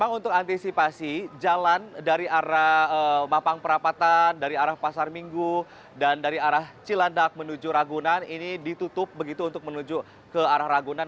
memang untuk antisipasi jalan dari arah mampang perapatan dari arah pasar minggu dan dari arah cilandak menuju ragunan ini ditutup begitu untuk menuju ke arah ragunan